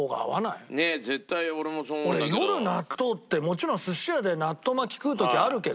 もちろん寿司屋で納豆巻き食う時あるけど。